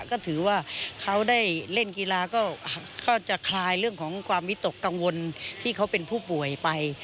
ก็ถือว่าเขาได้เล่นกีฬาก็จะคลายเรื่องของความวิตกกังวลที่เขาเป็นผู้ป่วยไป